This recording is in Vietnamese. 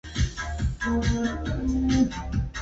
tôi bây giờ là một sinh viên